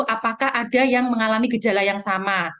apakah ada yang mengalami gejala yang sama